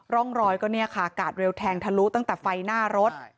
ร่องรอยก็เนี่ยค่ะกาดเร็วแทงทะลุตั้งแต่ไฟหน้ารถ